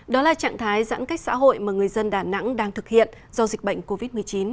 đó là trạng thái giãn cách xã hội mà người dân đà nẵng đang thực hiện do dịch bệnh covid một mươi chín